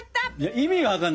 意味分かんない。